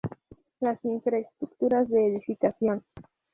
Las infraestructuras de Edificación.